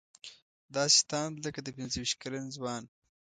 داسې تاند لکه د پنځه ویشت کلن ځوان.